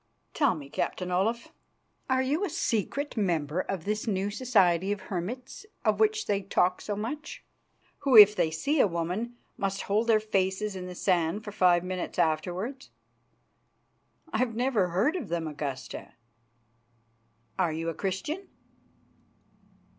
"Tell me, Captain Olaf, are you a secret member of this new society of hermits of which they talk so much, who, if they see a woman, must hold their faces in the sand for five minutes afterwards?" "I never heard of them, Augusta." "Are you a Christian?"